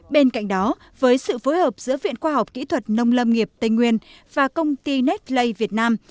bên cạnh đó với sự phối hợp giữa viện khoa học kỹ thuật nông lâm nghiệp tây nguyên và công ty netlay việt nam